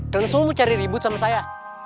kalian semua mau cari ribut sama saya